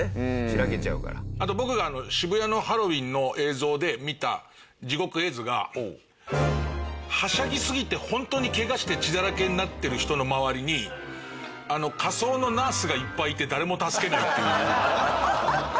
あと僕が渋谷のハロウィーンの映像で見た地獄絵図がはしゃぎすぎてホントにケガして血だらけになってる人の周りに仮装のナースがいっぱいいて誰も助けないっていう。